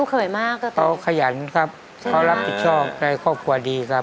เขยมากเขาขยันครับเขารับผิดชอบในครอบครัวดีครับ